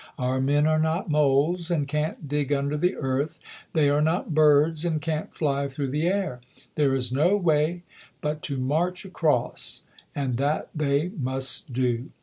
Our men are not moles, and can't dig under the earth; they are not birds, and can't fly through the air. There is no way but to march across, and that the}^ must do.